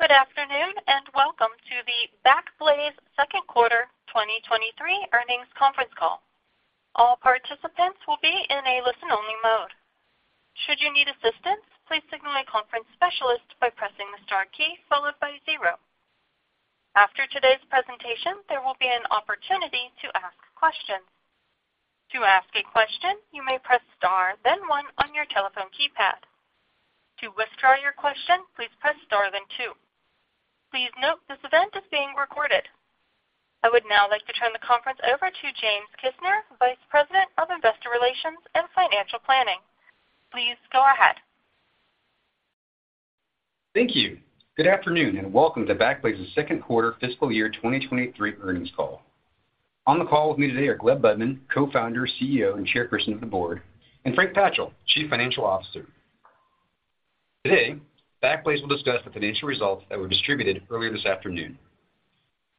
Good afternoon, welcome to the Backblaze second quarter 2023 Earnings Conference Call. All participants will be in a listen-only mode. Should you need assistance, please signal a conference specialist by pressing the Star key followed by zero. After today's presentation, there will be an opportunity to ask questions. To ask a question, you may press Star, then one on your telephone keypad. To withdraw your question, please press Star, then two. Please note, this event is being recorded. I would now like to turn the conference over to James Kisner, Vice President of Investor Relations and Financial Planning. Please go ahead. Thank you. Good afternoon, and welcome to Backblaze's second quarter fiscal year 2023 earnings call. On the call with me today are Gleb Budman, Co-Founder, CEO, and Chairperson of the Board, and Frank Patchell, Chief Financial Officer. Today, Backblaze will discuss the financial results that were distributed earlier this afternoon.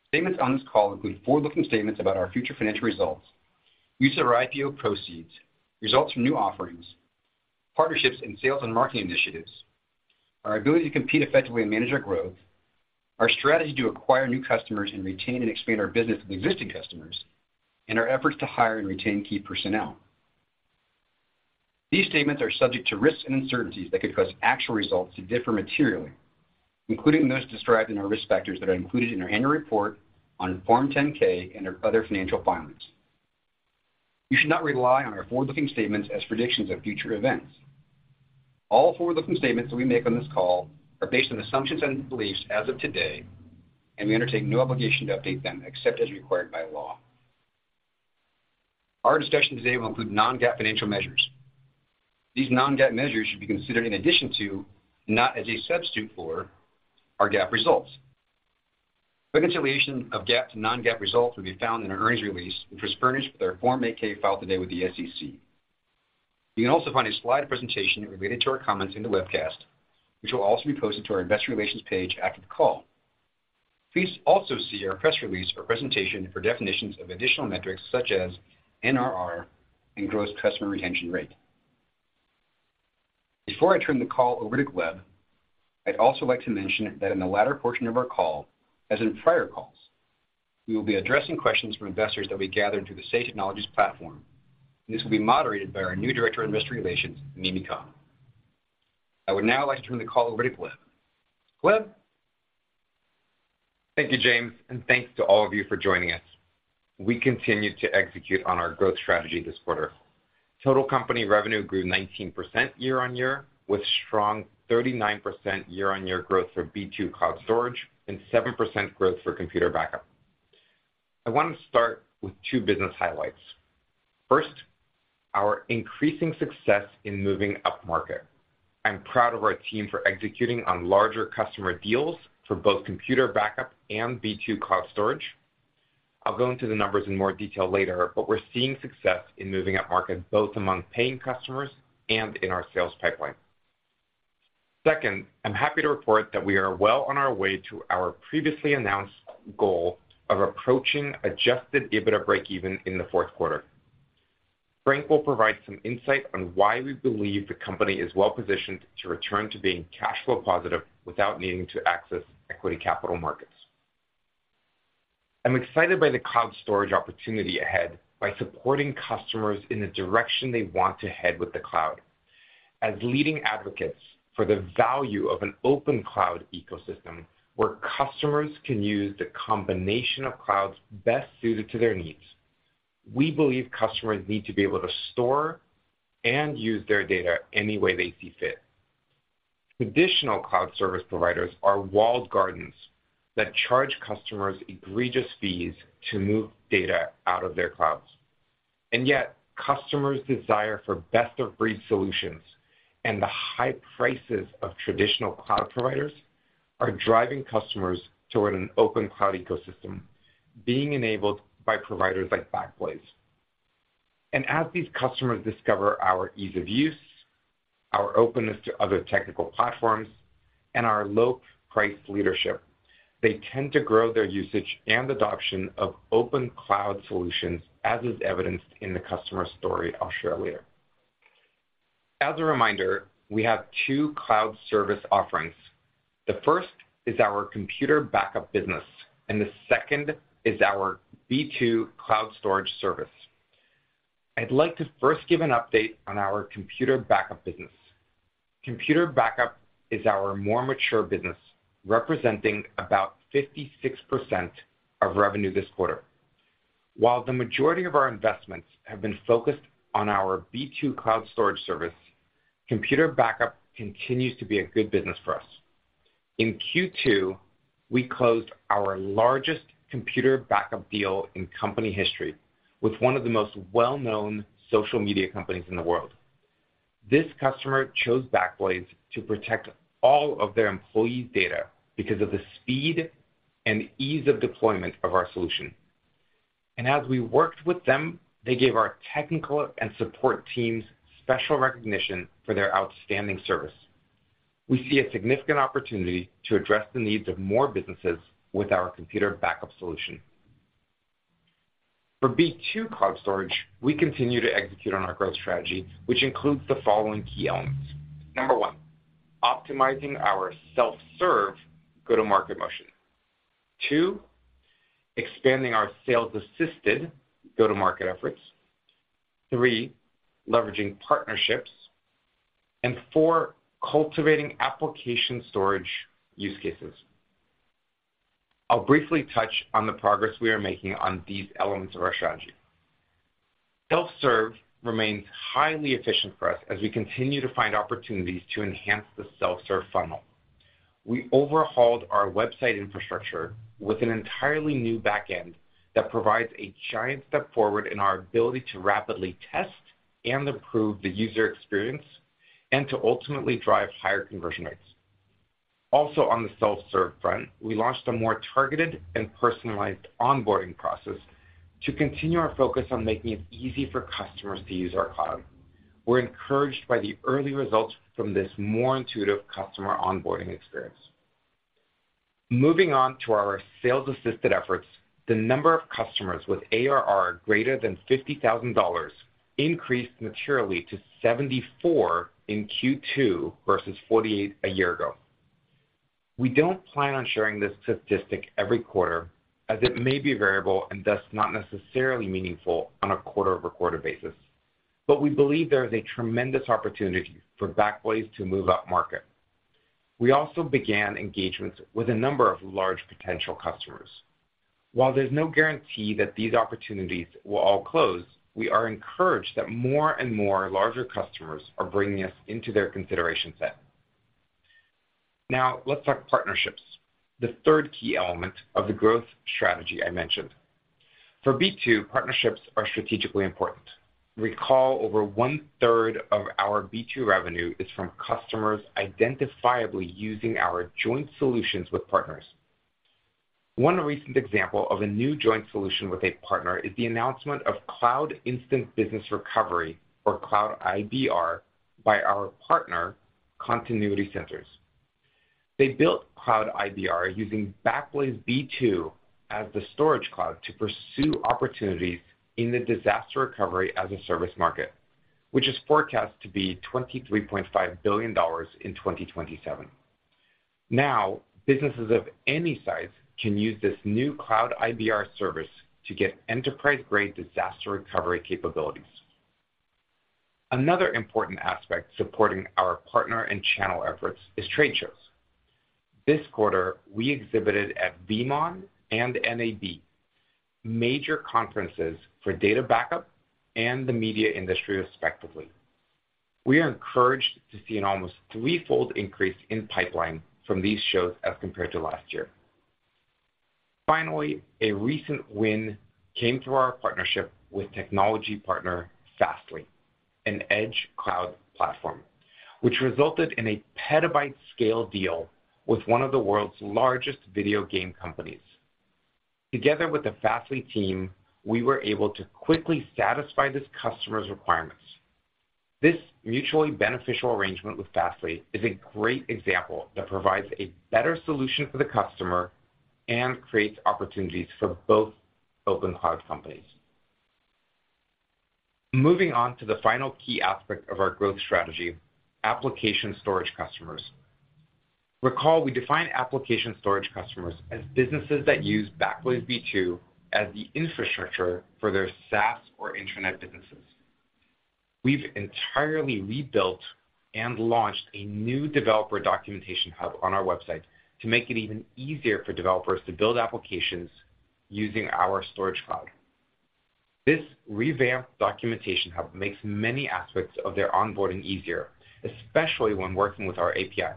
Statements on this call include forward-looking statements about our future financial results, use of our IPO proceeds, results from new offerings, partnerships in sales and marketing initiatives, our ability to compete effectively and manage our growth, our strategy to acquire new customers and retain and expand our business with existing customers, and our efforts to hire and retain key personnel. These statements are subject to risks and uncertainties that could cause actual results to differ materially, including those described in our risk factors that are included in our annual report on Form 10-K and our other financial filings. You should not rely on our forward-looking statements as predictions of future events. All forward-looking statements that we make on this call are based on assumptions and beliefs as of today. We undertake no obligation to update them except as required by law. Our discussion today will include non-GAAP financial measures. These non-GAAP measures should be considered in addition to, not as a substitute for, our GAAP results. Reconciliation of GAAP to non-GAAP results will be found in our earnings release, which was furnished with our Form 8-K filed today with the SEC. You can also find a slide presentation related to our comments in the webcast, which will also be posted to our investor relations page after the call. Please also see our press release or presentation for definitions of additional metrics such as NRR and gross customer retention rate. Before I turn the call over to Gleb, I'd also like to mention that in the latter portion of our call, as in prior calls, we will be addressing questions from investors that we gathered through the Say Technologies platform. This will be moderated by our new Director of Investor Relations, Mimi Kong. I would now like to turn the call over to Gleb. Gleb? Thank you, James. Thanks to all of you for joining us. We continued to execute on our growth strategy this quarter. Total company revenue grew 19% year-over-year, with strong 39% year-over-year growth for B2 Cloud Storage and 7% growth for computer backup. I want to start with two business highlights. First, our increasing success in moving upmarket. I'm proud of our team for executing on larger customer deals for both computer backup and B2 Cloud Storage. I'll go into the numbers in more detail later, but we're seeing success in moving upmarket, both among paying customers and in our sales pipeline. Second, I'm happy to report that we are well on our way to our previously announced goal of approaching adjusted EBITDA breakeven in the Q4. Frank will provide some insight on why we believe the company is well positioned to return to being cash flow positive without needing to access equity capital markets. I'm excited by the cloud storage opportunity ahead by supporting customers in the direction they want to head with the cloud. As leading advocates for the value of an open cloud ecosystem, where customers can use the combination of clouds best suited to their needs, we believe customers need to be able to store and use their data any way they see fit. Traditional cloud service providers are walled gardens that charge customers egregious fees to move data out of their clouds. Yet, customers' desire for best-of-breed solutions and the high prices of traditional cloud providers are driving customers toward an open cloud ecosystem being enabled by providers like Backblaze. As these customers discover our ease of use, our openness to other technical platforms, and our low price leadership, they tend to grow their usage and adoption of open cloud solutions, as is evidenced in the customer story I'll share later. As a reminder, we have two cloud service offerings. The first is our computer backup business, and the second is our B2 Cloud Storage service. I'd like to first give an update on our computer backup business. Computer backup is our more mature business, representing about 56% of revenue this quarter. While the majority of our investments have been focused on our B2 Cloud Storage service, computer backup continues to be a good business for us. In Q2, we closed our largest computer backup deal in company history with one of the most well-known social media companies in the world. This customer chose Backblaze to protect all of their employees' data because of the speed and ease of deployment of our solution. As we worked with them, they gave our technical and support teams special recognition for their outstanding service. We see a significant opportunity to address the needs of more businesses with our computer backup solution.... For B2 Cloud Storage, we continue to execute on our growth strategy, which includes the following key elements. 1, optimizing our self-serve go-to-market motion. 2, expanding our sales-assisted go-to-market efforts. 3, leveraging partnerships. 4, cultivating application storage use cases. I'll briefly touch on the progress we are making on these elements of our strategy. Self-serve remains highly efficient for us as we continue to find opportunities to enhance the self-serve funnel. We overhauled our website infrastructure with an entirely new back end that provides a giant step forward in our ability to rapidly test and improve the user experience, and to ultimately drive higher conversion rates. Also, on the self-serve front, we launched a more targeted and personalized onboarding process to continue our focus on making it easy for customers to use our cloud. We're encouraged by the early results from this more intuitive customer onboarding experience. Moving on to our sales-assisted efforts, the number of customers with ARR greater than $50,000 increased materially to 74 in Q2 versus 48 a year ago. We don't plan on sharing this statistic every quarter, as it may be variable and thus not necessarily meaningful on a quarter-over-quarter basis, but we believe there is a tremendous opportunity for Backblaze to move upmarket. We also began engagements with a number of large potential customers. While there's no guarantee that these opportunities will all close, we are encouraged that more and more larger customers are bringing us into their consideration set. Now, let's talk partnerships, the third key element of the growth strategy I mentioned. For B2, partnerships are strategically important. Recall, over one-third of our B2 revenue is from customers identifiably using our joint solutions with partners. One recent example of a new joint solution with a partner is the announcement of Cloud Instant Business Recovery, or Cloud IBR, by our partner, Continuity Centers. They built Cloud IBR using Backblaze B2 as the storage cloud to pursue opportunities in the disaster recovery as a service market, which is forecast to be $23.5 billion in 2027. Now, businesses of any size can use this new Cloud IBR service to get enterprise-grade disaster recovery capabilities. Another important aspect supporting our partner and channel efforts is trade shows. This quarter, we exhibited at VeeamON and NAB, major conferences for data backup and the media industry, respectively. We are encouraged to see an almost threefold increase in pipeline from these shows as compared to last year. Finally, a recent win came through our partnership with technology partner, Fastly, an edge cloud platform, which resulted in a petabyte-scale deal with one of the world's largest video game companies. Together with the Fastly team, we were able to quickly satisfy this customer's requirements. This mutually beneficial arrangement with Fastly is a great example that provides a better solution for the customer and creates opportunities for both open cloud companies. Moving on to the final key aspect of our growth strategy, application storage customers. Recall, we define application storage customers as businesses that use Backblaze B2 as the infrastructure for their SaaS or internet businesses. We've entirely rebuilt and launched a new developer documentation hub on our website to make it even easier for developers to build applications using our storage cloud. This revamped documentation hub makes many aspects of their onboarding easier, especially when working with our API.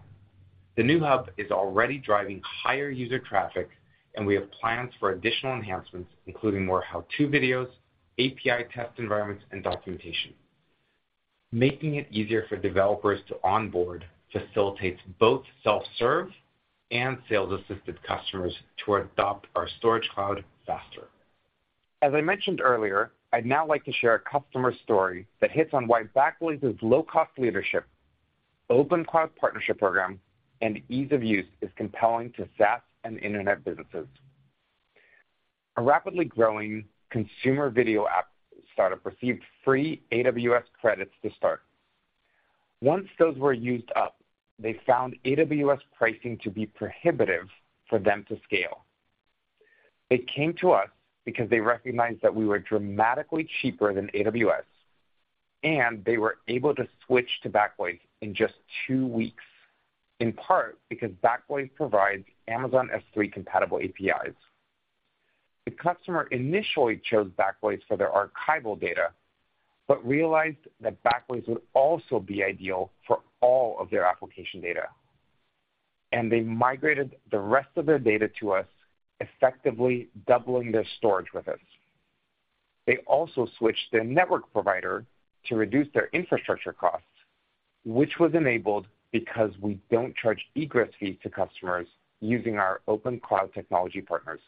The new hub is already driving higher user traffic, and we have plans for additional enhancements, including more how-to videos, API test environments, and documentation. Making it easier for developers to onboard facilitates both self-serve and sales-assisted customers to adopt our storage cloud faster. As I mentioned earlier, I'd now like to share a customer story that hits on why Backblaze's low-cost leadership, open cloud partnership program, and ease of use is compelling to SaaS and internet businesses. A rapidly growing consumer video app startup received free AWS credits to start. Once those were used up, they found AWS pricing to be prohibitive for them to scale. They came to us because they recognized that we were dramatically cheaper than AWS, and they were able to switch to Backblaze in just two weeks, in part because Backblaze provides Amazon S3-compatible APIs. The customer initially chose Backblaze for their archival data, but realized that Backblaze would also be ideal for all of their application data. They migrated the rest of their data to us, effectively doubling their storage with us. They also switched their network provider to reduce their infrastructure costs, which was enabled because we don't charge egress fees to customers using our open cloud technology partners.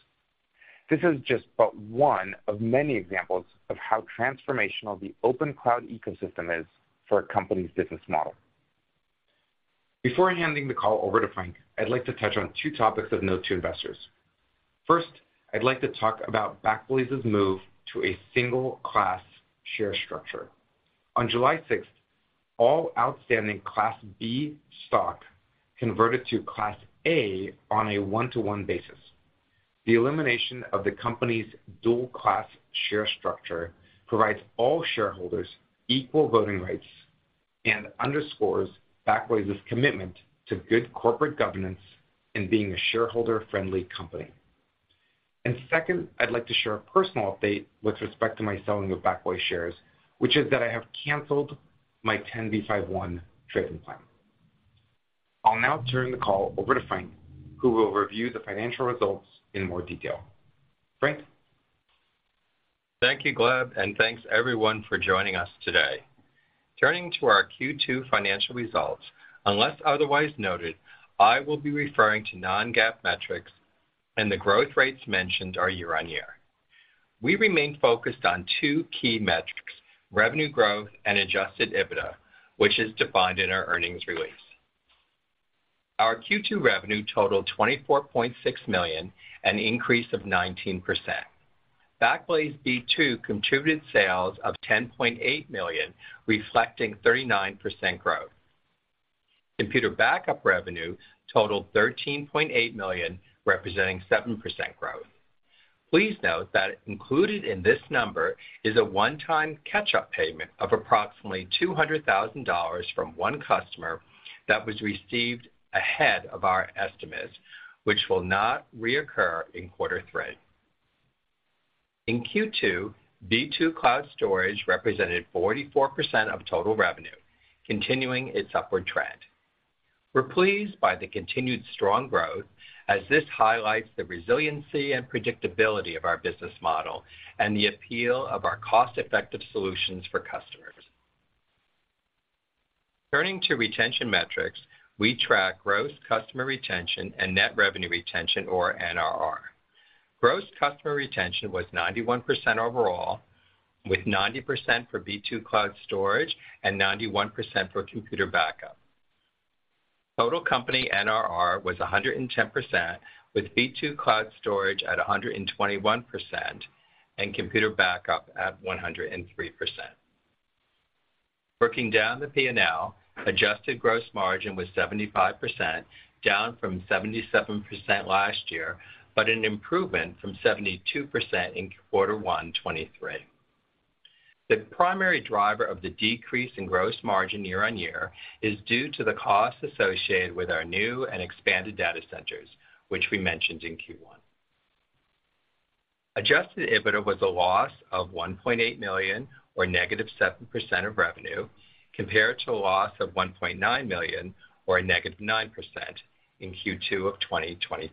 This is just but one of many examples of how transformational the open cloud ecosystem is for a company's business model. Before handing the call over to Frank, I'd like to touch on two topics of note to investors. First, I'd like to talk about Backblaze's move to a single class share structure. On July sixth, all outstanding Class B stock converted to Class A on a one-to-one basis. The elimination of the company's dual class share structure provides all shareholders equal voting rights and underscores Backblaze's commitment to good corporate governance and being a shareholder-friendly company. Second, I'd like to share a personal update with respect to my selling of Backblaze shares, which is that I have canceled my 10b5-1 trading plan. I'll now turn the call over to Frank, who will review the financial results in more detail. Frank? Thank you, Gleb. Thanks, everyone, for joining us today. Turning to our Q2 financial results, unless otherwise noted, I will be referring to non-GAAP metrics, and the growth rates mentioned are year-on-year. We remain focused on two key metrics, revenue growth and adjusted EBITDA, which is defined in our earnings release. Our Q2 revenue totaled $24.6 million, an increase of 19%. Backblaze B2 contributed sales of $10.8 million, reflecting 39% growth. Computer backup revenue totaled $13.8 million, representing 7% growth. Please note that included in this number is a one-time catch-up payment of approximately $200,000 from one customer that was received ahead of our estimates, which will not reoccur in quarter three. In Q2, B2 Cloud Storage represented 44% of total revenue, continuing its upward trend. We're pleased by the continued strong growth, as this highlights the resiliency and predictability of our business model and the appeal of our cost-effective solutions for customers. Turning to retention metrics, we track gross customer retention and net revenue retention, or NRR. Gross customer retention was 91% overall, with 90% for B2 Cloud Storage and 91% for computer backup. Total company NRR was 110%, with B2 Cloud Storage at 121% and computer backup at 103%. Working down the P&L, adjusted gross margin was 75%, down from 77% last year, but an improvement from 72% in Q1 2023. The primary driver of the decrease in gross margin year-over-year is due to the costs associated with our new and expanded data centers, which we mentioned in Q1. Adjusted EBITDA was a loss of $1.8 million, or negative 7% of revenue, compared to a loss of $1.9 million, or a negative 9% in Q2 2022.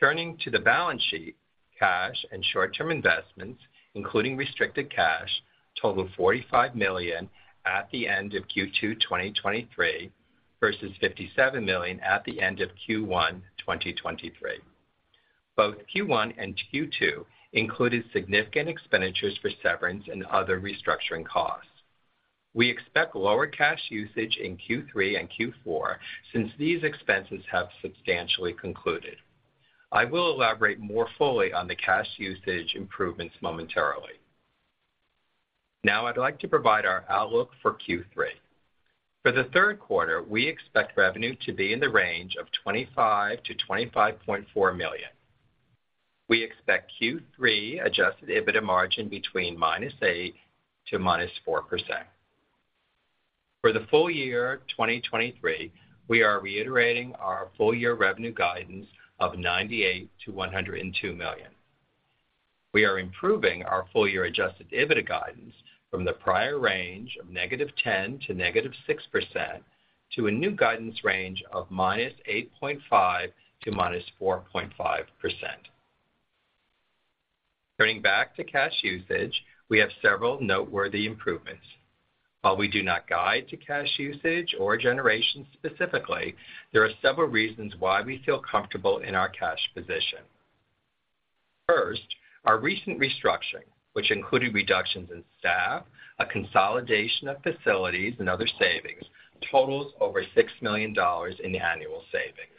Turning to the balance sheet, cash and short-term investments, including restricted cash, totaled $45 million at the end of Q2 2023, versus $57 million at the end of Q1 2023. Both Q1 and Q2 included significant expenditures for severance and other restructuring costs. We expect lower cash usage in Q3 and Q4 since these expenses have substantially concluded. I will elaborate more fully on the cash usage improvements momentarily. Now I'd like to provide our outlook for Q3. For the third quarter, we expect revenue to be in the range of $25 million-$25.4 million. We expect Q3 adjusted EBITDA margin between -8% to -4%. For the full year 2023, we are reiterating our full-year revenue guidance of $98 million-$102 million. We are improving our full-year adjusted EBITDA guidance from the prior range of -10% to -6%, to a new guidance range of -8.5% to -4.5%. Turning back to cash usage, we have several noteworthy improvements. While we do not guide to cash usage or generation specifically, there are several reasons why we feel comfortable in our cash position. First, our recent restructuring, which included reductions in staff, a consolidation of facilities and other savings, totals over $6 million in annual savings.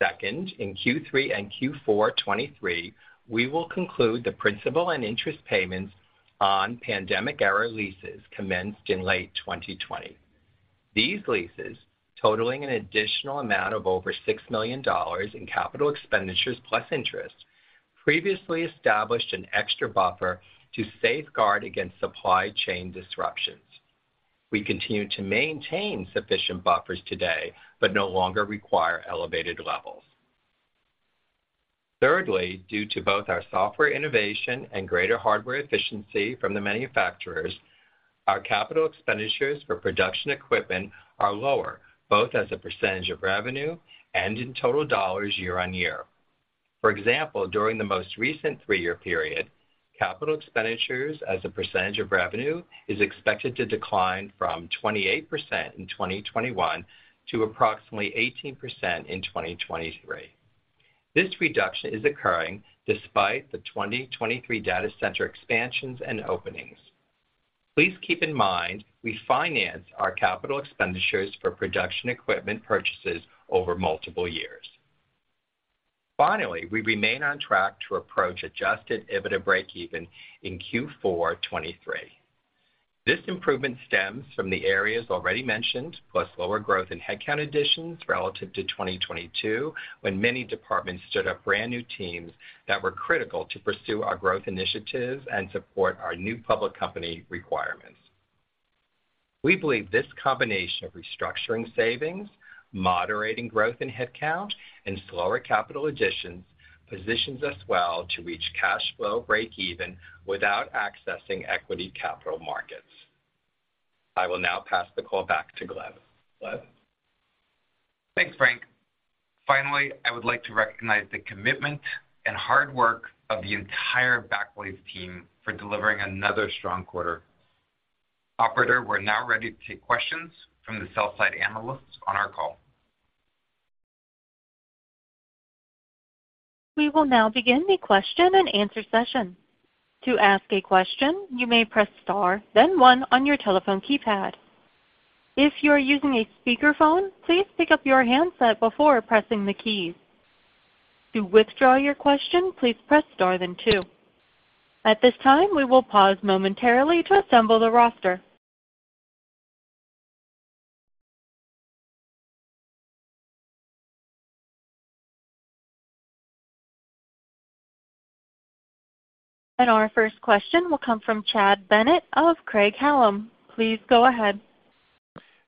Second, in Q3 and Q4 2023, we will conclude the principal and interest payments on pandemic-era leases commenced in late 2020. These leases, totaling an additional amount of over $6 million in capital expenditures plus interest, previously established an extra buffer to safeguard against supply chain disruptions. We continue to maintain sufficient buffers today, but no longer require elevated levels. Thirdly, due to both our software innovation and greater hardware efficiency from the manufacturers, our capital expenditures for production equipment are lower, both as a percentage of revenue and in total dollars year on year. For example, during the most recent three-year period, capital expenditures as a percentage of revenue is expected to decline from 28% in 2021 to approximately 18% in 2023. This reduction is occurring despite the 2023 data center expansions and openings. Please keep in mind, we finance our capital expenditures for production equipment purchases over multiple years. Finally, we remain on track to approach adjusted EBITDA breakeven in Q4 2023. This improvement stems from the areas already mentioned, plus lower growth in headcount additions relative to 2022, when many departments stood up brand-new teams that were critical to pursue our growth initiatives and support our new public company requirements. We believe this combination of restructuring savings, moderating growth in headcount, and slower capital additions positions us well to reach cash flow breakeven without accessing equity capital markets. I will now pass the call back to Gleb. Gleb? Thanks, Frank. Finally, I would like to recognize the commitment and hard work of the entire Backblaze team for delivering another strong quarter. Operator, we're now ready to take questions from the sell-side analysts on our call. We will now begin the question-and-answer session. To ask a question, you may press star, then one on your telephone keypad. If you are using a speakerphone, please pick up your handset before pressing the keys. To withdraw your question, please press star than two. At this time, we will pause momentarily to assemble the roster. Our first question will come from Chad Bennett of Craig-Hallum. Please go ahead.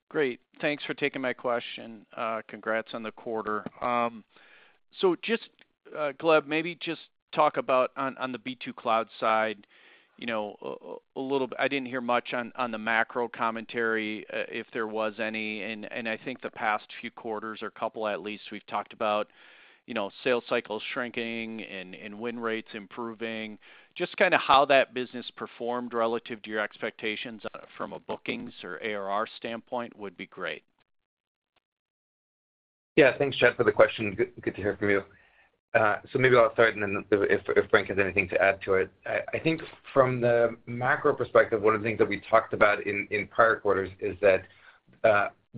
Great. Thanks for taking my question. Congrats on the quarter. Just, Gleb, maybe just talk about on the B2 Cloud side, you know, a little bit. I didn't hear much on the macro commentary, if there was any. I think the past few quarters or couple, at least, we've talked about, you know, sales cycles shrinking and win rates improving. Just kind of how that business performed relative to your expectations from a bookings or ARR standpoint would be great. Yeah. Thanks, Chad, for the question. Good, good to hear from you. Maybe I'll start, and then if, if Frank has anything to add to it. I, I think from the macro perspective, one of the things that we talked about in, in prior quarters is that,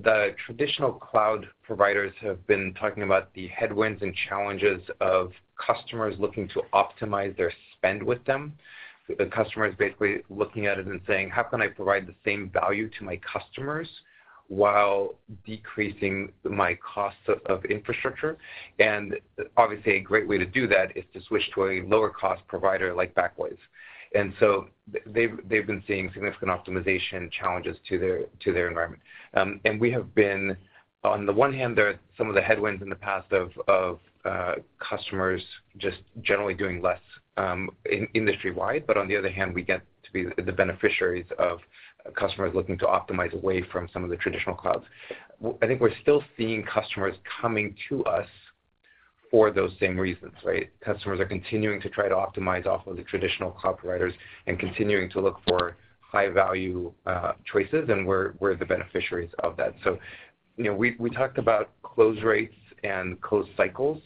the traditional cloud providers have been talking about the headwinds and challenges of customers looking to optimize their spend with them. The customer is basically looking at it and saying: How can I provide the same value to my customers while decreasing my costs of, of infrastructure? Obviously, a great way to do that is to switch to a lower-cost provider like Backblaze. They've, they've been seeing significant optimization challenges to their, to their environment. We have been... On the one hand, there are some of the headwinds in the past of, of customers just generally doing less in-industry-wide, but on the other hand, we get to be the beneficiaries of customers looking to optimize away from some of the traditional clouds. I think we're still seeing customers coming to us for those same reasons, right? Customers are continuing to try to optimize off of the traditional cloud providers and continuing to look for high-value choices, and we're, we're the beneficiaries of that. So, you know, we, we talked about close rates and close cycles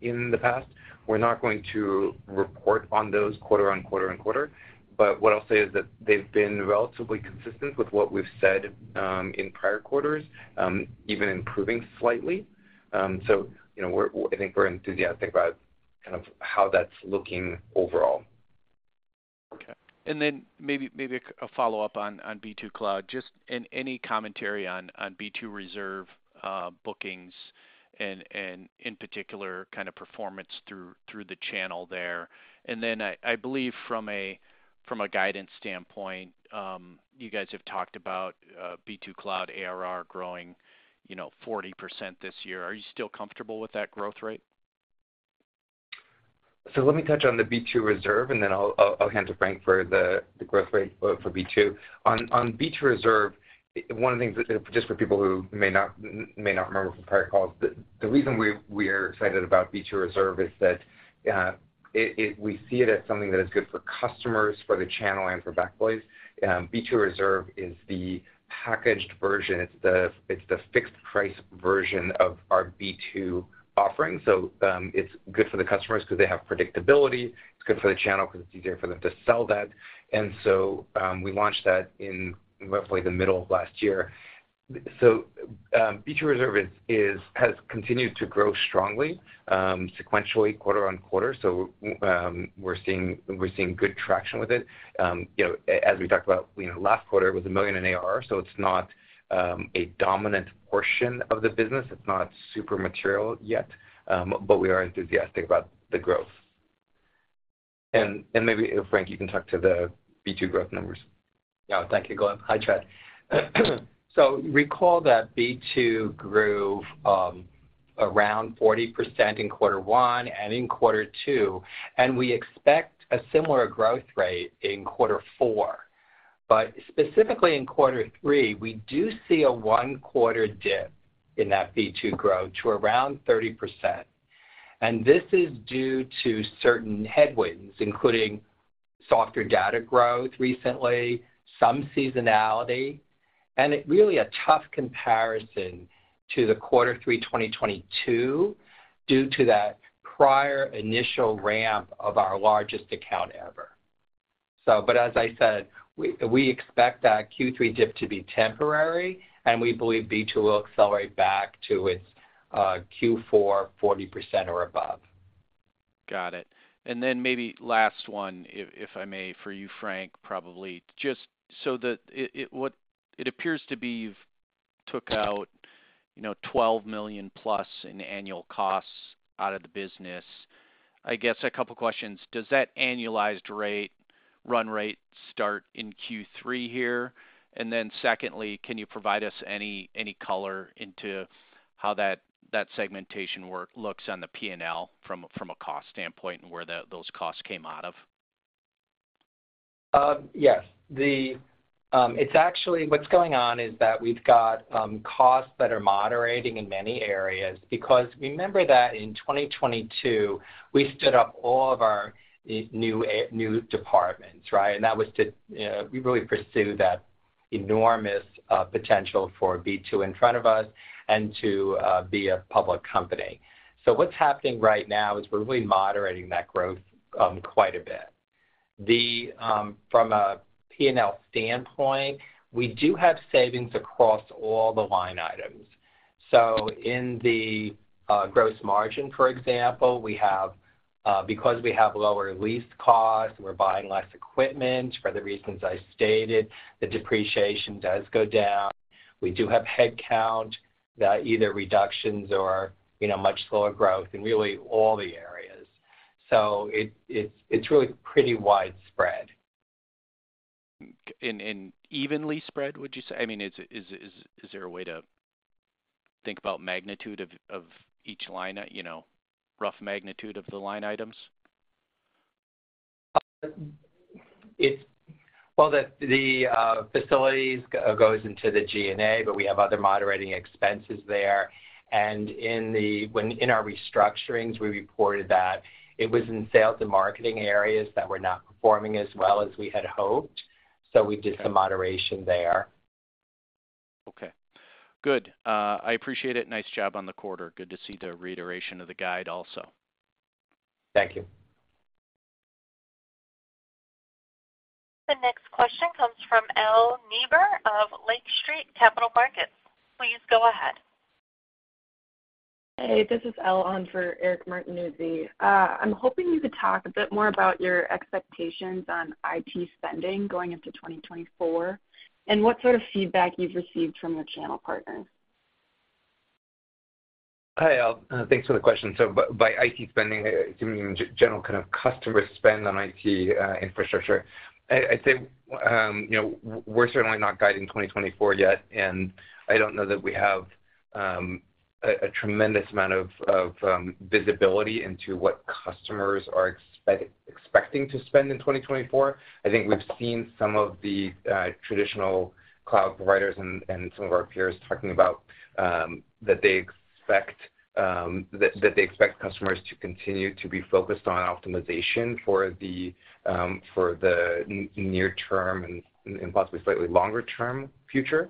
in the past. We're not going to report on those quarter on quarter and quarter, but what I'll say is that they've been relatively consistent with what we've said in prior quarters, even improving slightly. You know, I think we're enthusiastic about kind of how that's looking overall. Okay. Then maybe, maybe a follow-up on B2 cloud. Just any commentary on B2 Reserve bookings in particular, kind of performance through the channel there? Then, I, I believe from a guidance standpoint, you guys have talked about B2 cloud ARR growing, you know, 40% this year. Are you still comfortable with that growth rate? Let me touch on the B2 Reserve, and then I'll, I'll, I'll hand to Frank Patchel for the, the growth rate for B2. On B2 Reserve, one of the things, just for people who may not, may not remember from prior calls, the, the reason we, we are excited about B2 Reserve is that we see it as something that is good for customers, for the channel, and for Backblaze. B2 Reserve is the packaged version, it's the, it's the fixed price version of our B2 offering. It's good for the customers because they have predictability, it's good for the channel because it's easier for them to sell that. We launched that in roughly the middle of last year. B2 Reserve has continued to grow strongly, sequentially, quarter-on-quarter. We're seeing good traction with it. You know, as we talked about, you know, last quarter, it was $1 million in ARR, so it's not a dominant portion of the business. It's not super material yet, but we are enthusiastic about the growth. Maybe, Frank, you can talk to the B2 growth numbers. Yeah. Thank you, Gleb. Hi, Chad. Recall that B2 grew around 40% in Q1 and in Q2, and we expect a similar growth rate in Q4. Specifically in Q3, we do see a 1-quarter dip in that B2 growth to around 30%, and this is due to certain headwinds, including softer data growth recently, some seasonality, and it really a tough comparison to the Q3 2022 due to that prior initial ramp of our largest account ever. As I said, we, we expect that Q3 dip to be temporary, and we believe B2 will accelerate back to its Q4, 40% or above. Got it. Then maybe last one, if, if I may, for you, Frank, probably. Just so that it, it appears to be you've took out, you know, $12 million+ in annual costs out of the business. I guess a couple questions. Does that annualized rate, run rate start in Q3 here? Then secondly, can you provide us any, any color into how that, that segmentation work looks on the P&L from a, from a cost standpoint and where those costs came out of? Yes. The, It's actually, what's going on is that we've got costs that are moderating in many areas, because remember that in 2022, we stood up all of our new new departments, right? That was to we really pursue that enormous potential for B2 in front of us and to be a public company. What's happening right now is we're really moderating that growth quite a bit. From a P&L standpoint, we do have savings across all the line items. In the gross margin, for example, we have because we have lower lease costs, we're buying less equipment for the reasons I stated, the depreciation does go down. We do have headcount that either reductions or, you know, much slower growth in really all the areas. It, it's, it's really pretty widespread. And evenly spread, would you say? I mean, is there a way to think about magnitude of, of each line, you know, rough magnitude of the line items? Well, the facilities goes into the G&A, but we have other moderating expenses there. When in our restructurings, we reported that it was in sales and marketing areas that were not performing as well as we had hoped, so we did some moderation there. Okay, good. I appreciate it. Nice job on the quarter. Good to see the reiteration of the guide also. Thank you. The next question comes from Elle Niebuhr of Lake Street Capital Markets. Please go ahead. Hey, this is Elle on for Eric Martinuzzi. I'm hoping you could talk a bit more about your expectations on IT spending going into 2024, and what sort of feedback you've received from the channel partners. Hi, Elle. Thanks for the question. By IT spending, you mean general kind of customer spend on IT infrastructure? I, I'd say, you know, we're certainly not guiding 2024 yet, and I don't know that we have a tremendous amount of visibility into what customers are expecting to spend in 2024. I think we've seen some of the traditional cloud providers and some of our peers talking about that they expect that they expect customers to continue to be focused on optimization for the near term and possibly slightly longer term future.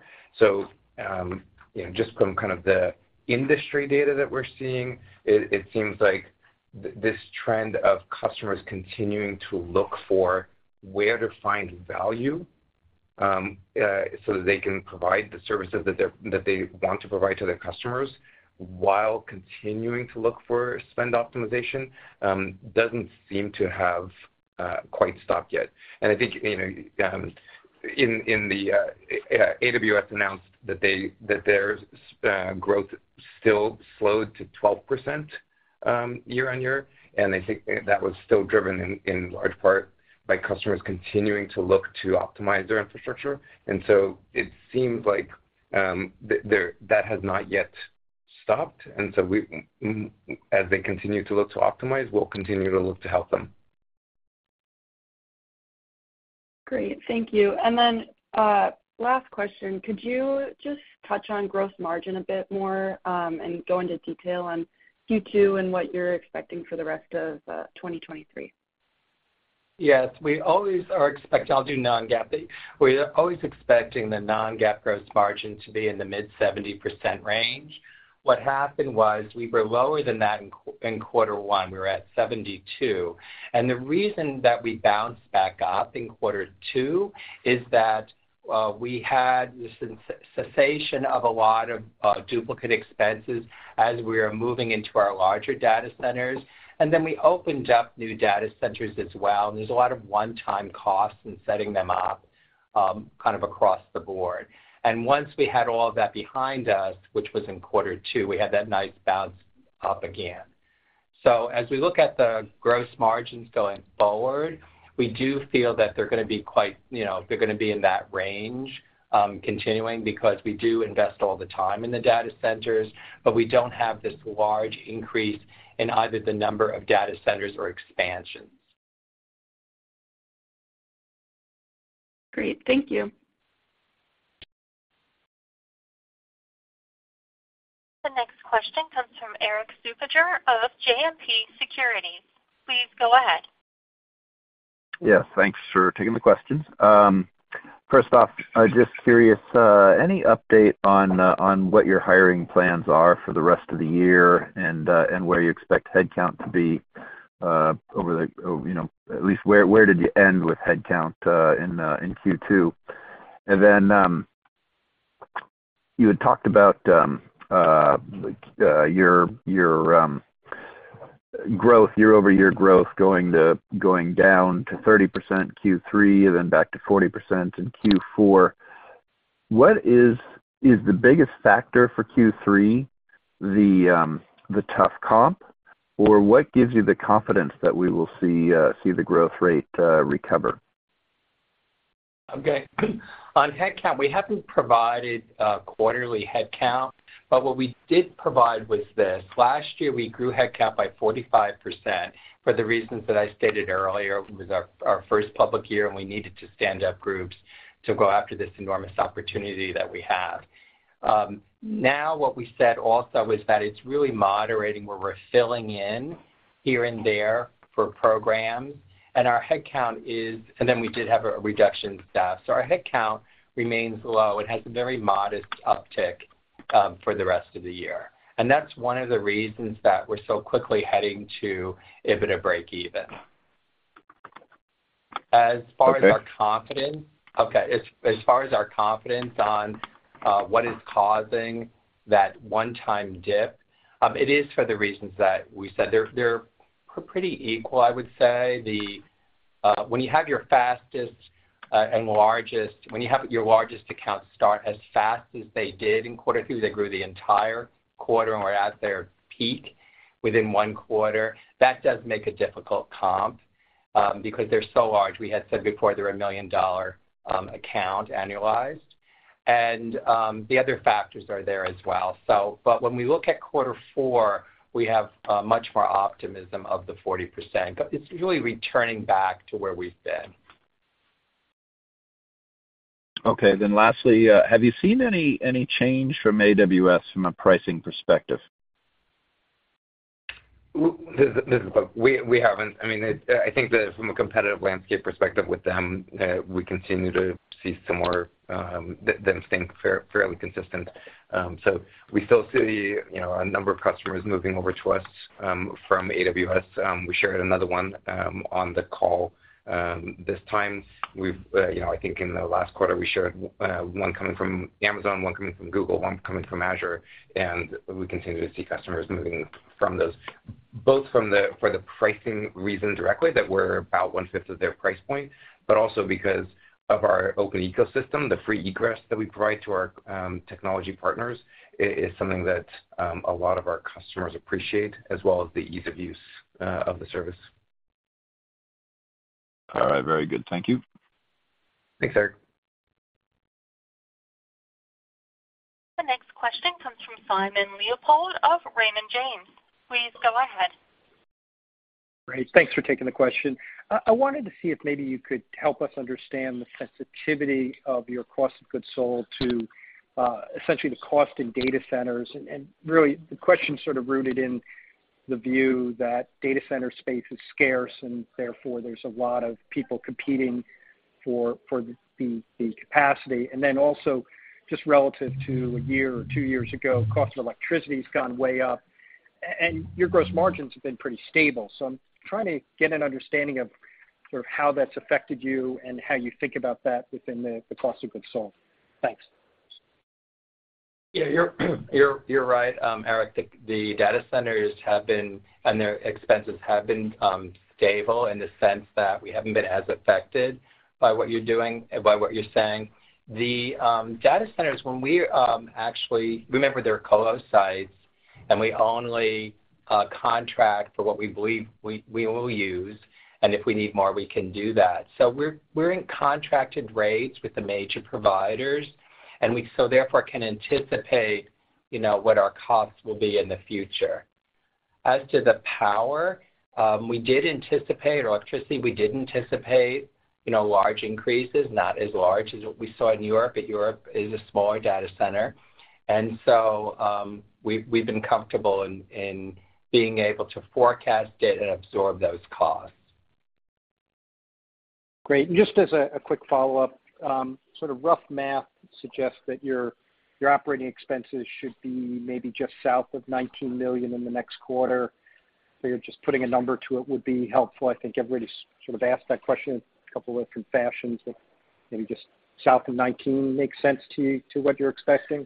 you know, just from kind of the industry data that we're seeing, it, it seems like this trend of customers continuing to look for where to find value, so that they can provide the services that they're that they want to provide to their customers while continuing to look for spend optimization, doesn't seem to have quite stopped yet. I think, you know, in, in the AWS announced that their growth still slowed to 12% year-over-year, and I think that was still driven in, in large part by customers continuing to look to optimize their infrastructure. It seems like that has not yet stopped, and so we, as they continue to look to optimize, we'll continue to look to help them. Great, thank you. Then, last question. Could you just touch on gross margin a bit more, and go into detail on Q2 and what you're expecting for the rest of 2023? Yes, we always are. I'll do non-GAAP. We're always expecting the non-GAAP gross margin to be in the mid 70% range. What happened was we were lower than that in quarter 1, we were at 72%. The reason that we bounced back up in Q2 is that we had this cessation of a lot of duplicate expenses as we are moving into our larger data centers, then we opened up new data centers as well, and there's a lot of one-time costs in setting them up kind of across the board. Once we had all of that behind us, which was in Q2, we had that nice bounce up again. As we look at the gross margins going forward, we do feel that they're gonna be quite, you know, they're gonna be in that range, continuing, because we do invest all the time in the data centers, but we don't have this large increase in either the number of data centers or expansions. Great. Thank you. The next question comes from Erik Suppiger of JMP Securities. Please go ahead. Yes, thanks for taking the questions. First off, I just curious, any update on what your hiring plans are for the rest of the year and where you expect head count to be over the, you know, at least where, where did you end with head count in Q2? You had talked about like your, your growth, year-over-year growth going down to 30% Q3 and then back to 40% in Q4. What is, is the biggest factor for Q3, the tough comp, or what gives you the confidence that we will see the growth rate recover? Okay. On head count, we haven't provided quarterly head count, but what we did provide was this: last year, we grew head count by 45% for the reasons that I stated earlier. It was our, our first public year. We needed to stand up groups to go after this enormous opportunity that we have. Now, what we said also was that it's really moderating where we're filling in here and there for programs, and our head count is-- and then we did have a reduction staff. Our head count remains low. It has a very modest uptick for the rest of the year. That's one of the reasons that we're so quickly heading to EBITDA breakeven. Okay. As far as our confidence on what is causing that 1-time dip, it is for the reasons that we said. They're pretty equal, I would say. When you have your largest account start as fast as they did in quarter 2, they grew the entire quarter and were at their peak within one quarter. That does make a difficult comp because they're so large. We had said before, they're a $1 million account annualized, and the other factors are there as well. When we look at quarter 4, we have much more optimism of the 40%, but it's really returning back to where we've been. Okay, lastly, have you seen any change from AWS from a pricing perspective? This, this is Gleb. We, we haven't. I mean, it, I think that from a competitive landscape perspective with them, we continue to see similar, them staying fairly consistent. We still see, you know, a number of customers moving over to us from AWS. We shared another one on the call this time. We've, you know, I think in the last quarter, we shared, one coming from Amazon, one coming from Google, one coming from Azure, and we continue to see customers moving from those, both from the, for the pricing reason directly, that we're about one-fifth of their price point, but also because of our open ecosystem. The free egress that we provide to our, technology partners is something that, a lot of our customers appreciate, as well as the ease of use, of the service. All right. Very good. Thank you. Thanks, Erik. The next question comes from Simon Leopold of Raymond James. Please go ahead. Great. Thanks for taking the question. I wanted to see if maybe you could help us understand the sensitivity of your cost of goods sold to, essentially the cost in data centers. Really, the question sort of rooted in the view that data center space is scarce, and therefore there's a lot of people competing for, for the, the, the capacity. Then also just relative to a year or two years ago, the cost of electricity has gone way up, and your gross margins have been pretty stable. I'm trying to get an understanding of sort of how that's affected you and how you think about that within the, the cost of goods sold. Thanks. Yeah, you're, you're, you're right, Erik. The, the data centers have been, and their expenses have been, stable in the sense that we haven't been as affected by what you're doing, by what you're saying. The data centers, when we actually. Remember, they're colo sites, and we only contract for what we believe we, we will use, and if we need more, we can do that. We're, we're in contracted rates with the major providers, and we so therefore, can anticipate, you know, what our costs will be in the future. As to the power, we did anticipate electricity. We did anticipate, you know, large increases, not as large as what we saw in Europe, but Europe is a smaller data center. So, we've, we've been comfortable in, in being able to forecast it and absorb those costs. Great, just as a quick follow-up, sort of rough math suggests that your operating expenses should be maybe just south of $19 million in the next quarter. You're just putting a number to it would be helpful. I think everybody's sort of asked that question a couple of different fashions, maybe just south of $19 makes sense to you, to what you're expecting?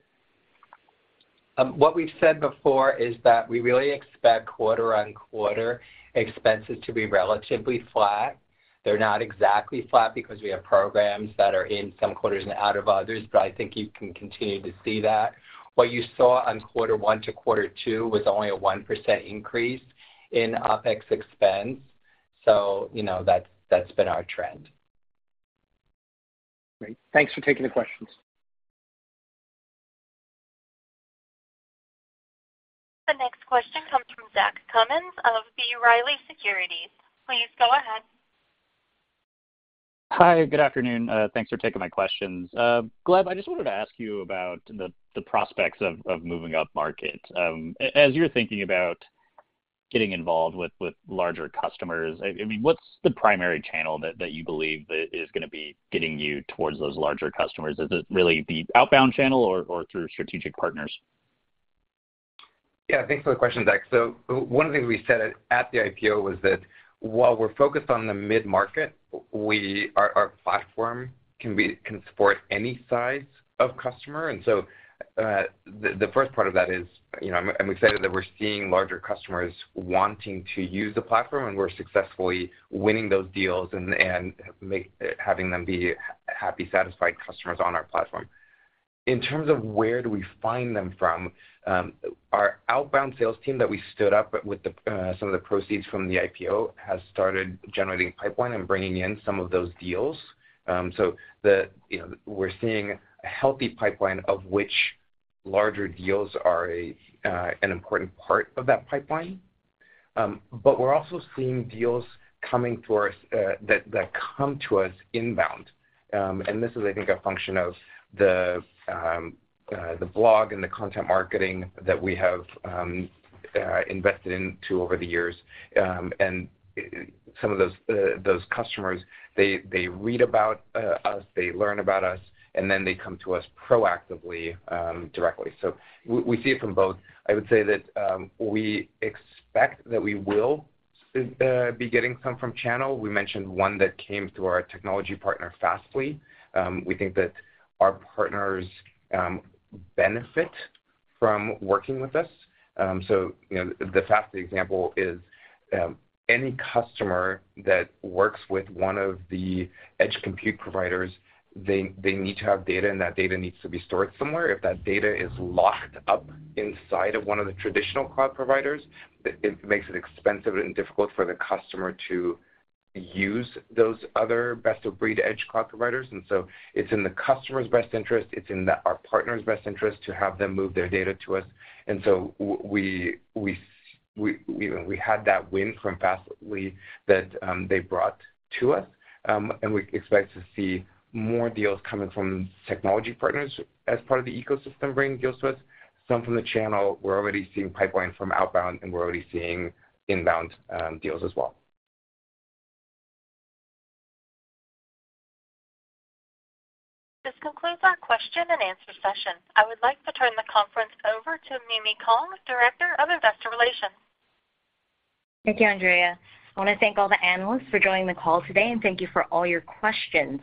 What we've said before is that we really expect quarter on quarter expenses to be relatively flat. They're not exactly flat because we have programs that are in some quarters and out of others, but I think you can continue to see that. What you saw on quarter one to quarter two was only a 1% increase in OpEx expense, so, you know, that's, that's been our trend. Great. Thanks for taking the questions. The next question comes from Zach Cummins of B. Riley Securities. Please go ahead. Hi, good afternoon. Thanks for taking my questions. Gleb, I just wanted to ask you about the, the prospects of, of moving up market. As you're thinking about getting involved with, with larger customers, I, I mean, what's the primary channel that, that you believe that is gonna be getting you towards those larger customers? Is it really the outbound channel or, or through strategic partners? Yeah, thanks for the question, Zach. One of the things we said at the IPO was that while we're focused on the mid-market, our platform can support any size of customer. The first part of that is, you know, I'm excited that we're seeing larger customers wanting to use the platform, and we're successfully winning those deals and having them be happy, satisfied customers on our platform. In terms of where do we find them from, our outbound sales team that we stood up with some of the proceeds from the IPO, has started generating pipeline and bringing in some of those deals. You know, we're seeing a healthy pipeline of which larger deals are an important part of that pipeline. We're also seeing deals coming to us that, that come to us inbound. This is, I think, a function of the blog and the content marketing that we have invested into over the years. Some of those customers, they, they read about us, they learn about us, and then they come to us proactively directly. We see it from both. I would say that we expect that we will be getting some from channel. We mentioned one that came through our technology partner, Fastly. We think that our partners benefit from working with us. You know, the Fastly example is any customer that works with one of the edge compute providers, they, they need to have data, and that data needs to be stored somewhere. If that data is locked up inside of one of the traditional cloud providers, it makes it expensive and difficult for the customer to use those other best-of-breed edge cloud providers. It's in the customer's best interest, it's in our partner's best interest to have them move their data to us. We had that win from Fastly that they brought to us, and we expect to see more deals coming from technology partners as part of the ecosystem, bringing deals to us. Some from the channel, we're already seeing pipeline from outbound, and we're already seeing inbound deals as well. This concludes our question and answer session. I would like to turn the conference over to Mimi Kong, Director of Investor Relations. Thank you, Andrea. I want to thank all the analysts for joining the call today, and thank you for all your questions.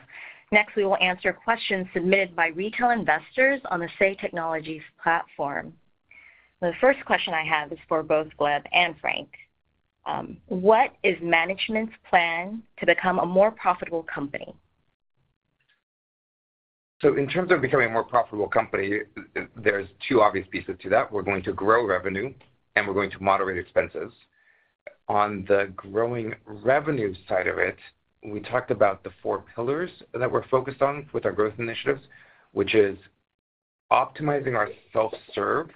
Next, we will answer questions submitted by retail investors on the Say Technologies platform. The first question I have is for both Gleb and Frank. What is management's plan to become a more profitable company? In terms of becoming a more profitable company, there's two obvious pieces to that. We're going to grow revenue, and we're going to moderate expenses. On the growing revenue side of it, we talked about the four pillars that we're focused on with our growth initiatives, which is optimizing our self-serve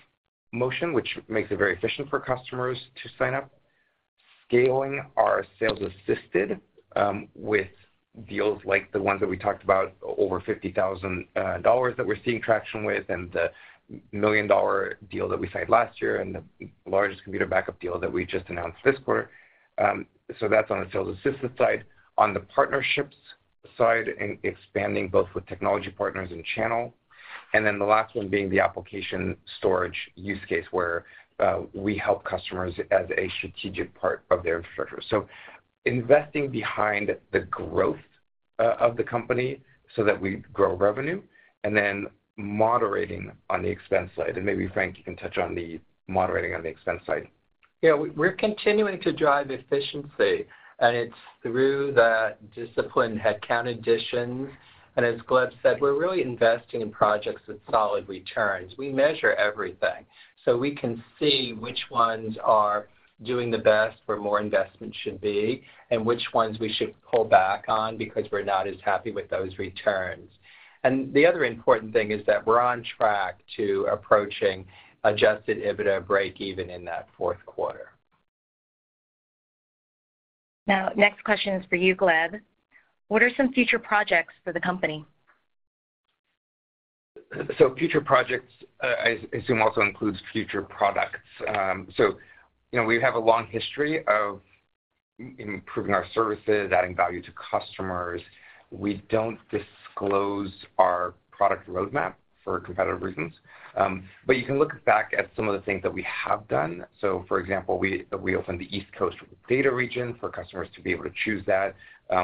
motion, which makes it very efficient for customers to sign up, scaling our sales assisted, with deals like the ones that we talked about, over $50,000 that we're seeing traction with, and the $1 million-dollar deal that we signed last year, and the largest computer backup deal that we just announced this quarter. That's on the sales assisted side. On the partnerships side, and expanding both with technology partners and channel, and then the last one being the application storage use case, where we help customers as a strategic part of their infrastructure. Investing behind the growth of the company so that we grow revenue, and then moderating on the expense side. Maybe, Frank, you can touch on the moderating on the expense side. Yeah, we're continuing to drive efficiency, it's through the discipline headcount additions. As Gleb said, we're really investing in projects with solid returns. We measure everything, so we can see which ones are doing the best, where more investment should be, and which ones we should pull back on because we're not as happy with those returns. The other important thing is that we're on track to approaching adjusted EBITDA break-even in that fourth quarter. Next question is for you, Gleb. What are some future projects for the company? Future projects, I assume, also includes future products. You know, we have a long history of improving our services, adding value to customers. We don't disclose our product roadmap for competitive reasons, but you can look back at some of the things that we have done. For example, we opened the East Coast data region for customers to be able to choose that.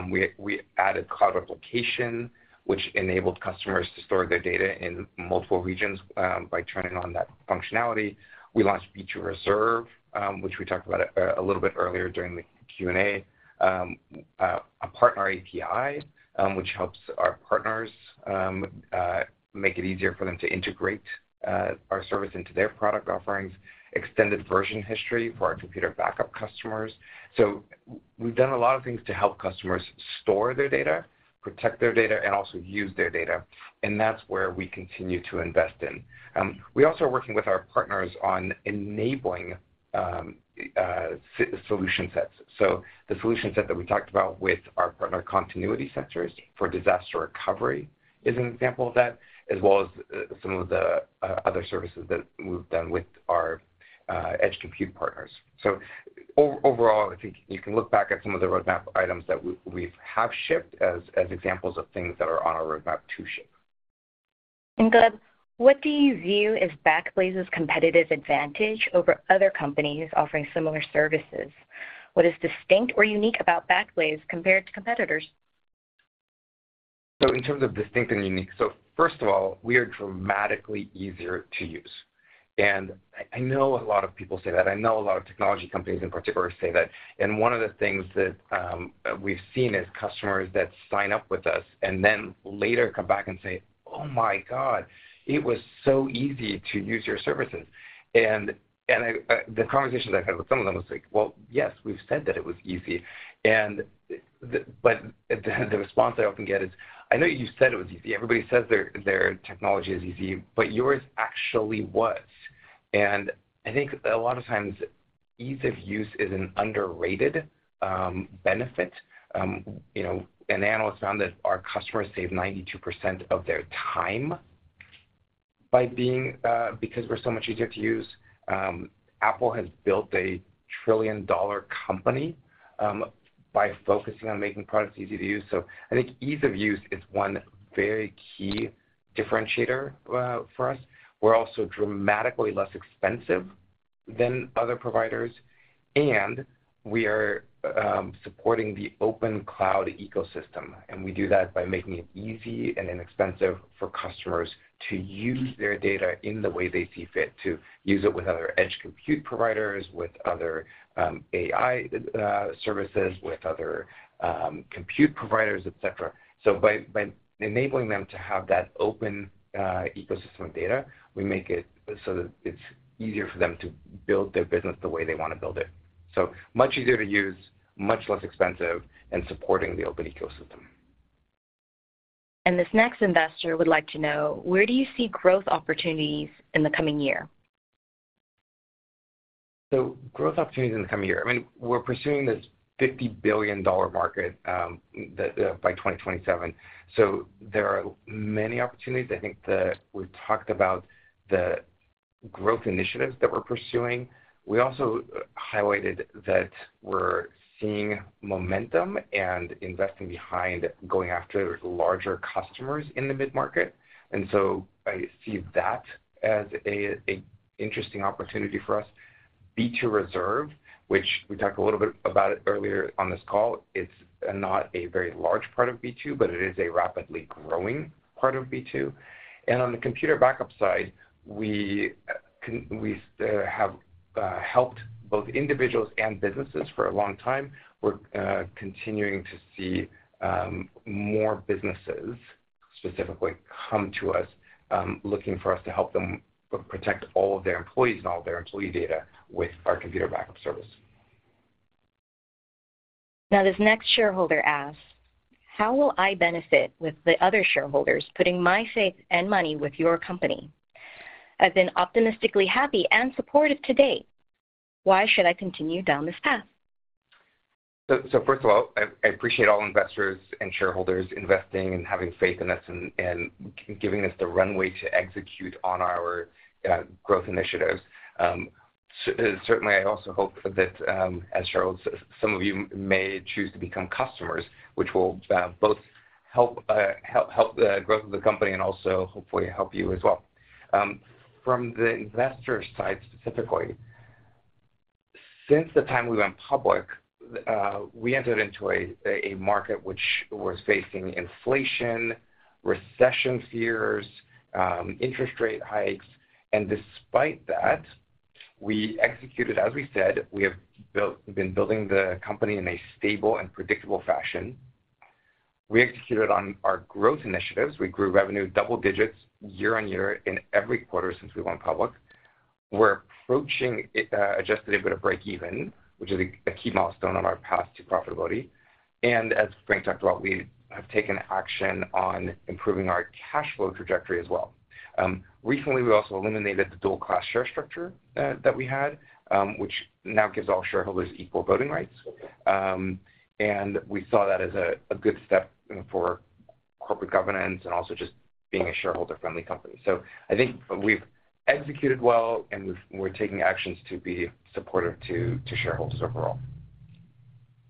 We added Cloud Replication, which enabled customers to store their data in multiple regions by turning on that functionality. We launched B2Reserve, which we talked about a little bit earlier during the Q&A. A partner API, which helps our partners make it easier for them to integrate our service into their product offerings. Extended version history for our computer backup customers. We've done a lot of things to help customers store their data, protect their data, and also use their data, and that's where we continue to invest in. We're also working with our partners on enabling solution sets. The solution set that we talked about with our partner, Continuity Centers, for disaster recovery, is an example of that, as well as some of the other services that we've done with our Edge Compute partners. Overall, I think you can look back at some of the roadmap items that we, we have shipped as examples of things that are on our roadmap to ship. Gleb, what do you view as Backblaze's competitive advantage over other companies offering similar services? What is distinct or unique about Backblaze compared to competitors? In terms of distinct and unique, so first of all, we are dramatically easier to use. I, I know a lot of people say that, I know a lot of technology companies, in particular, say that. One of the things that we've seen is customers that sign up with us and then later come back and say, "Oh, my God, it was so easy to use your services." I, the conversations I've had with some of them was like: Well, yes, we've said that it was easy, but the response I often get is, "I know you said it was easy. Everybody says their technology is easy, but yours actually was." I think a lot of times, ease of use is an underrated benefit. You know, an analyst found that our customers save 92% of their time by being because we're so much easier to use. Apple has built a trillion-dollar company by focusing on making products easy to use. I think ease of use is one very key differentiator for us. We're also dramatically less expensive than other providers, and we are supporting the open cloud ecosystem, and we do that by making it easy and inexpensive for customers to use their data in the way they see fit, to use it with other edge compute providers, with other AI services, with other compute providers, et cetera. By, by enabling them to have that open ecosystem of data, we make it so that it's easier for them to build their business the way they wanna build it. much easier to use, much less expensive, and supporting the open ecosystem. This next investor would like to know: where do you see growth opportunities in the coming year? Growth opportunities in the coming year. I mean, we're pursuing this $50 billion market by 2027, so there are many opportunities. I think We've talked about the growth initiatives that we're pursuing. We also highlighted that we're seeing momentum and investing behind going after larger customers in the mid-market, so I see that as a interesting opportunity for us. B2Reserve, which we talked a little bit about it earlier on this call, it's not a very large part of B2, but it is a rapidly growing part of B2. On the computer backup side, we have helped both individuals and businesses for a long time. We're continuing to see more businesses specifically come to us, looking for us to help them protect all of their employees and all of their employee data with our computer backup service. Now, this next shareholder asks: How will I benefit with the other shareholders putting my faith and money with your company? I've been optimistically happy and supportive to date. Why should I continue down this path? First of all, I appreciate all investors and shareholders investing and having faith in us and giving us the runway to execute on our growth initiatives. Certainly, I also hope that as shareholders, some of you may choose to become customers, which will both help, help, help the growth of the company and also hopefully help you as well. From the investors side, specifically, since the time we went public, we entered into a market which was facing inflation, recession fears, interest rate hikes, and despite that, we executed, as we said, we have been building the company in a stable and predictable fashion. We executed on our growth initiatives. We grew revenue double digits year-on-year in every quarter since we went public. We're approaching adjusted EBITDA break even, which is a key milestone on our path to profitability. As Frank talked about, we have taken action on improving our cash flow trajectory as well. Recently, we also eliminated the dual class share structure that we had, which now gives all shareholders equal voting rights. We saw that as a good step for corporate governance and also just being a shareholder-friendly company. I think we've executed well, and we're taking actions to be supportive to shareholders overall.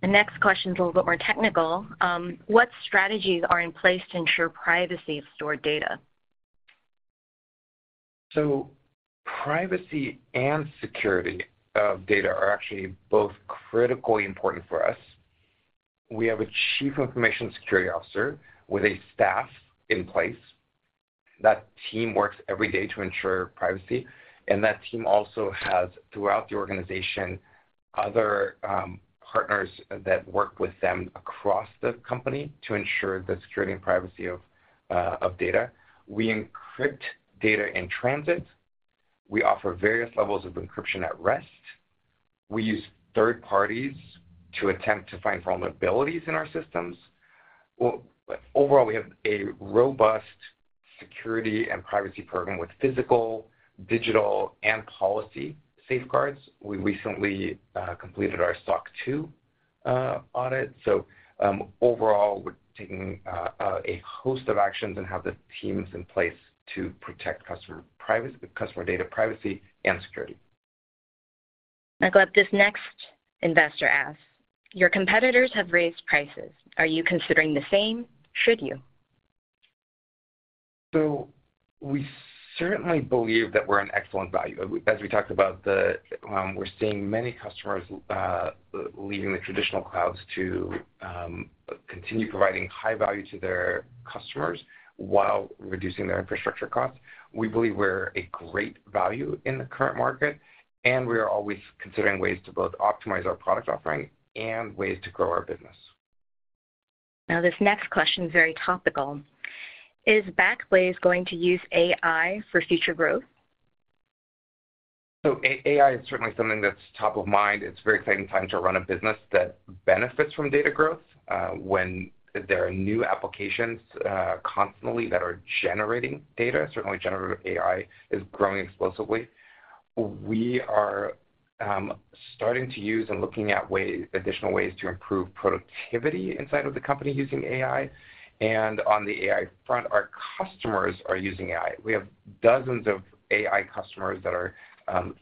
The next question is a little bit more technical. What strategies are in place to ensure privacy of stored data? Privacy and security of data are actually both critically important for us. We have a chief information security officer with a staff in place. That team works every day to ensure privacy, and that team also has, throughout the organization, other partners that work with them across the company to ensure the security and privacy of data. We encrypt data in transit. We offer various levels of encryption at rest. We use third parties to attempt to find vulnerabilities in our systems. Overall, we have a robust security and privacy program with physical, digital, and policy safeguards. We recently completed our SOC 2 audit. Overall, we're taking a host of actions and have the teams in place to protect customer privacy, customer data privacy, and security. Gleb, this next investor asks: Your competitors have raised prices. Are you considering the same? Should you? We certainly believe that we're an excellent value. As we talked about, we're seeing many customers leaving the traditional clouds to continue providing high value to their customers while reducing their infrastructure costs. We believe we're a great value in the current market, and we are always considering ways to both optimize our product offering and ways to grow our business. This next question is very topical: Is Backblaze going to use AI for future growth? AI is certainly something that's top of mind. It's a very exciting time to run a business that benefits from data growth, when there are new applications constantly that are generating data. Certainly, generative AI is growing explosively. We are starting to use and looking at ways, additional ways, to improve productivity inside of the company using AI. On the AI front, our customers are using AI. We have dozens of AI customers that are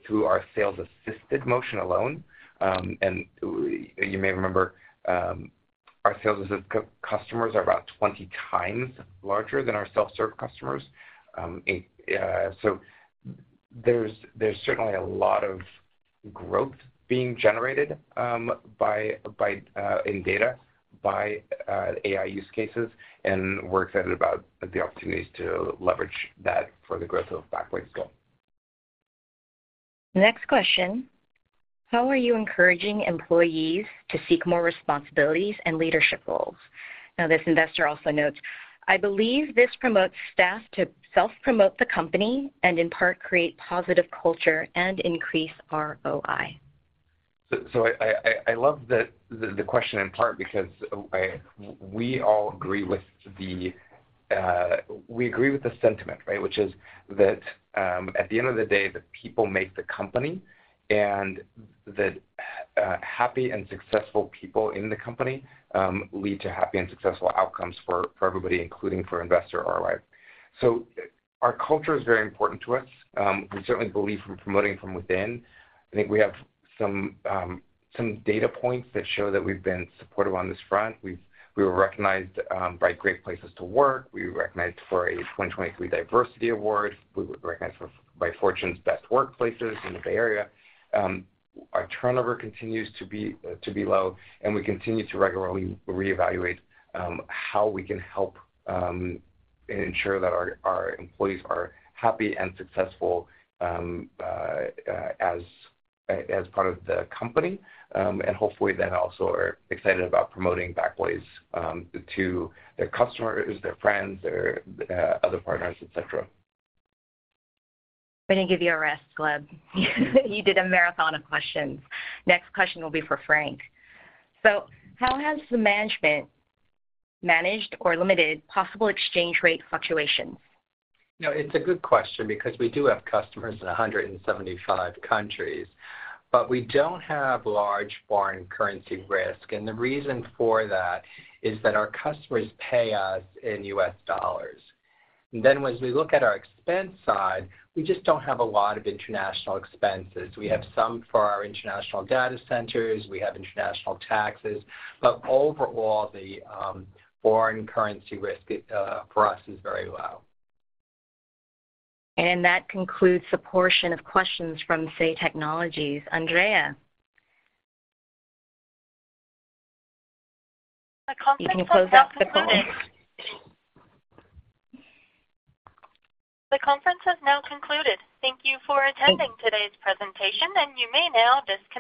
through our sales-assisted motion alone. You may remember, our sales assistant customers are about 20x larger than our self-serve customers. There's, there's certainly a lot of growth being generated by, by in data by AI use cases, and we're excited about the opportunities to leverage that for the growth of Backblaze Go! Next question: How are you encouraging employees to seek more responsibilities and leadership roles? Now, this investor also notes, "I believe this promotes staff to self-promote the company and, in part, create positive culture and increase ROI. I love the question in part because we all agree with the sentiment, right? Which is that, at the end of the day, the people make the company, and that happy and successful people in the company lead to happy and successful outcomes for everybody, including for investor ROI. Our culture is very important to us. We certainly believe in promoting from within. I think we have some data points that show that we've been supportive on this front. We were recognized by Great Place To Work. We were recognized for a 2023 Diversity Award. We were recognized by Fortune Best Workplaces in the Bay Area. Our turnover continues to be to be low. We continue to regularly reevaluate how we can help ensure that our employees are happy and successful as part of the company. Hopefully, they also are excited about promoting Backblaze to their customers, their friends, their other partners, et cetera. We're gonna give you a rest, Gleb. You did a marathon of questions. Next question will be for Frank. How has the management managed or limited possible exchange rate fluctuations? You know, it's a good question because we do have customers in 175 countries, but we don't have large foreign currency risk, and the reason for that is that our customers pay us in US dollars. Then, as we look at our expense side, we just don't have a lot of international expenses. We have some for our international data centers, we have international taxes, overall, the foreign currency risk for us is very low. That concludes the portion of questions from Say Technologies. Andrea? The conference has now concluded. You can close out the call. The conference has now concluded. Thank you for attending today's presentation. You may now disconnect.